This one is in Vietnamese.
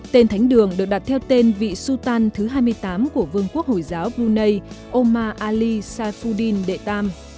tên thánh đường được đặt theo tên vị sutan thứ hai mươi tám của vương quốc hồi giáo brunei omar ali saifuddin iii